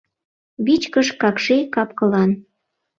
Вичкыж, какши кап-кылан.